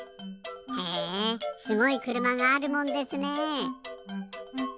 へえすごいくるまがあるもんですね。